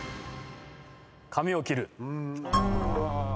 髪を切る。